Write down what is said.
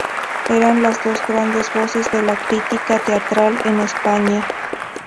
Eran las dos grandes voces de la crítica teatral en España.